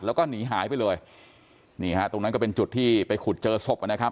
แล้วก็หนีหายไปเลยนี่ฮะตรงนั้นก็เป็นจุดที่ไปขุดเจอศพนะครับ